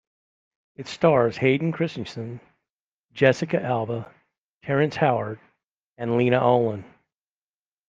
It stars Hayden Christensen, Jessica Alba, Terrence Howard and Lena Olin.